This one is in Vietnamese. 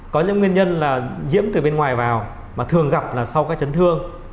có những nguyên nhân là nhiễm từ bên ngoài vào mà thường gặp là sau các chấn thương